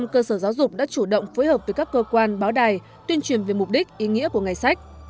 một trăm cơ sở giáo dục đã chủ động phối hợp với các cơ quan báo đài tuyên truyền về mục đích ý nghĩa của ngày sách